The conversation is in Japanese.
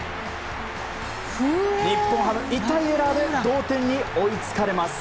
日本ハム、痛いエラーで同点に追いつかれます。